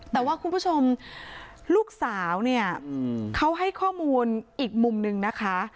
แต่ว่าคุณผู้ชมลูกสาวเนี่ยเขาให้ข้อมูลอีกมุมนึงนะคะ